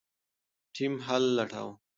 ټیم حل لټاوه.